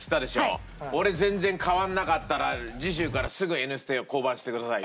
俺全然変わんなかったら次週からすぐ「Ｎステ」を降板してくださいよ。